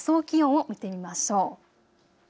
気温を見てみましょう。